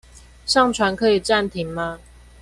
上傳可以暫停嗎？